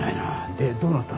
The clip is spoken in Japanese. でどうなったの？